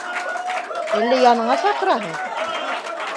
Әллә яныңа саҡыраһың?